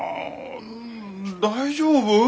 ん大丈夫？